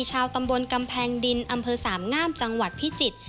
ชาวตำบลกำแพงดินอำเภอสามงามจังหวัดพิจิตร